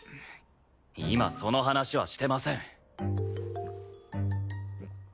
今その話はしてません。